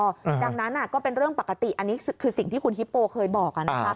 ดังนั้นก็เป็นเรื่องปกติอันนี้คือสิ่งที่คุณฮิปโปเคยบอกนะคะ